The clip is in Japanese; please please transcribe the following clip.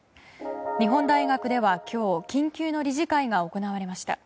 日本大学では今日緊急の理事会が行われました。